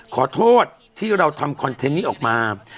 ขอโทษที่เราทำคอนเทนต์นี้ออกมา